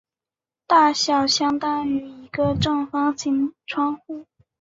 大小相当于一个正方形窗户。